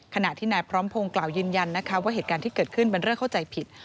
ขณะที่นายพร้อมพงศ์กล่าวยืนยันนะคะว่าเหตุการณ์ที่เกิดขึ้นเป็นเรื่องเข้าใจผิด